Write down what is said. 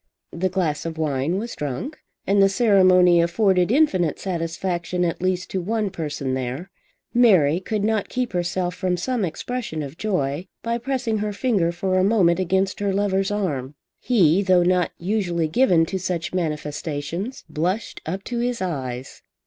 The glass of wine was drunk and the ceremony afforded infinite satisfaction at least to one person there. Mary could not keep herself from some expression of joy by pressing her finger for a moment against her lover's arm. He, though not usually given to such manifestations, blushed up to his eyes.